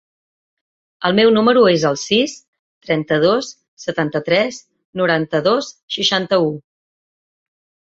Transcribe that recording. El meu número es el sis, trenta-dos, setanta-tres, noranta-dos, seixanta-u.